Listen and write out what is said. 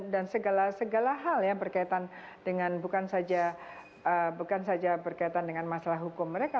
dan segala segala hal yang berkaitan dengan bukan saja berkaitan dengan masalah hukum mereka